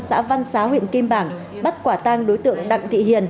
xã văn xá huyện kim bảng bắt quả tang đối tượng đặng thị hiền